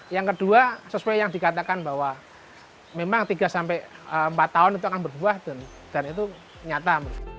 yang kedua sesuai yang dikatakan bahwa memang tiga sampai empat tahun itu akan berbuah dan itu nyata